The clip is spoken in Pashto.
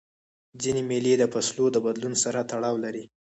ځیني مېلې د فصلو د بدلون سره تړاو لري.